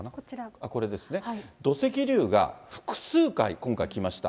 これですね、土石流が複数回、今回、来ました。